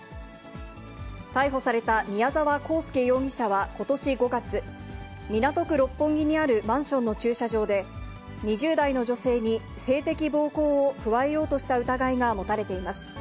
逮捕された宮沢公佑容疑者はことし５月、港区六本木にあるマンションの駐車場で、２０代の女性に性的暴行を加えようとした疑いが持たれています。